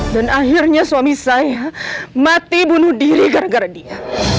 dan akhirnya suami saya mati bunuh diri gara gara dia